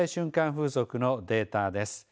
風速のデータです。